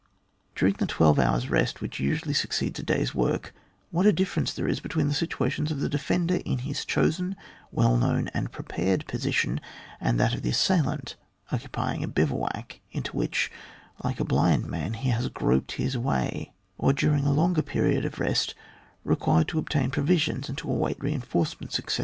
During the twelve hours rest which usually succeeds a day's work, what a difference there is between the situation of the defender in his chosen, well known, and prepared position, and that of the assailant occupying a bivouac, into which — like a blind man — he has groped his way, or during a longer period of rest, required to obtain provisions and to await reinforcements, etc.